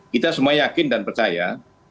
kita semua yakin dan percaya